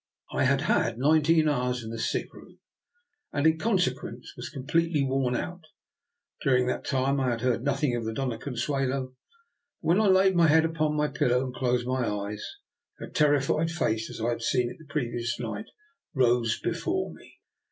. I had had nineteen hours in the sick room, and in consequence was com pletely worn out. During that time I had heard nothing of the Dona Consuelo. But when I laid my head upon my pillow and closed my eyes, her terrified face, as I had seen it the previous night, rose before me.